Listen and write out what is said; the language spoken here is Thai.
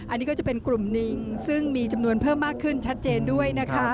อันนี้ก็จะเป็นกลุ่มหนึ่งซึ่งมีจำนวนเพิ่มมากขึ้นชัดเจนด้วยนะคะ